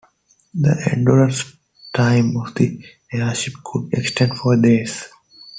The endurance time of the airship could extend for days.